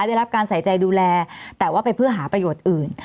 ได้รับการใส่ใจดูแลแต่ว่าไปเพื่อหาประโยชน์อื่น